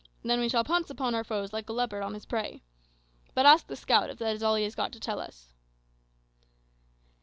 Then we shall pounce upon our foes like a leopard on his prey. But ask the scout if that is all he has got to tell us."